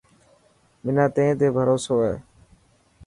منان تين تي ڀروسو هي.